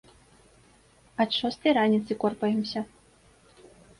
Ад шостай раніцы корпаемся.